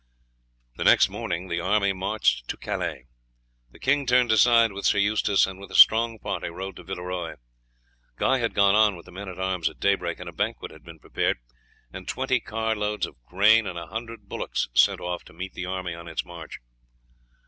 The next morning the army marched to Calais. The king turned aside with Sir Eustace, and with a strong party rode to Villeroy. Guy had gone on with the men at arms at daybreak, and a banquet had been prepared, and twenty cartloads of grain and a hundred bullocks sent off to meet the army on its march.